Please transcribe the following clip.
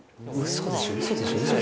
嘘でしょ？